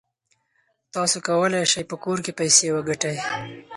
تاسو کولای شئ په کور کې پیسې وګټئ.